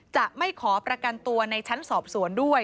จะไม่ขอประกันตัวในชั้นสอบสวนด้วย